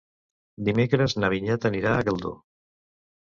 Dimecres na Vinyet anirà a Geldo.